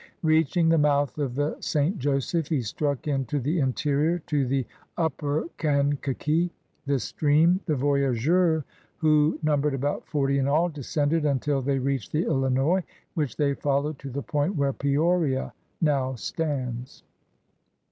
Reaching the mouth of the St. Joseph, he struck into the interior to the upper 106 CRUSADERS OF NEW FRANCE Kankakee, This stream the voya^urs, who numbered about forty in all, descended imtil they reached the Illinois, which they followed to the point where Peoria now stands.